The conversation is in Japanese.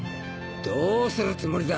どうするつもりだ？